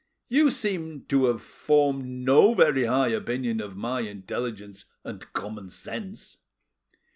You seem to have formed no very high opinion of my intelligence and common sense.